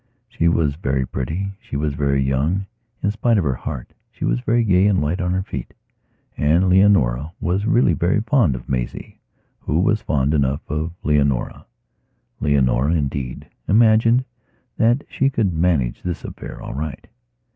She was very pretty; she was very young; in spite of her heart she was very gay and light on her feet. And Leonora was really very fond of Maisie, who was fond enough of Leonora. Leonora, indeed, imagined that she could manage this affair all right.